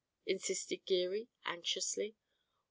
insisted Geary anxiously.